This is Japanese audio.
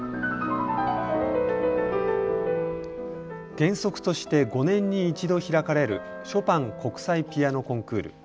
原則として５年に一度開かれるショパン国際ピアノコンクール。